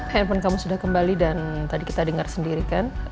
handphone kamu sudah kembali dan tadi kita dengar sendiri kan